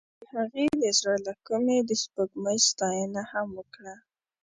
هغې د زړه له کومې د سپوږمۍ ستاینه هم وکړه.